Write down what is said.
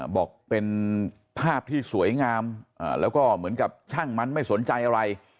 บอกเป็นภาพที่สวยงามแล้วก็เหมือนกับช่างมันไม่สนใจอะไร